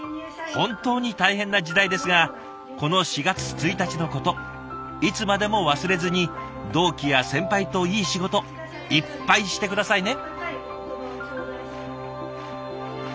本当に大変な時代ですがこの４月１日のこといつまでも忘れずに同期や先輩といい仕事いっぱいして下さいね。